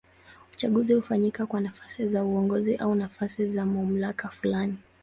Uchaguzi hufanyika kwa nafasi za uongozi au nafasi za mamlaka fulani.